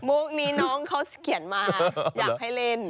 คนี้น้องเขาเขียนมาอยากให้เล่น